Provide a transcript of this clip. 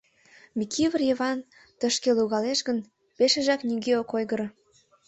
Микывыр Йыван тышке логалеш гын, пешыжак нигӧ ок ойгыро.